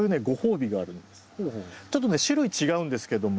ちょっとね種類違うんですけども。